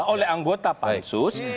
oleh anggota pansus